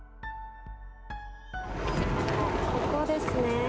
ここですね。